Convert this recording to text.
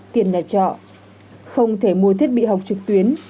tiền nhà trọ không thể mua thiết bị học trực tuyến